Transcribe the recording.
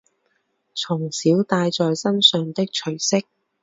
从小带在身上的垂饰